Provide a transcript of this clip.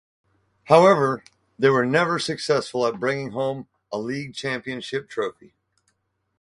However, they were never successful at bringing home a league championship trophy.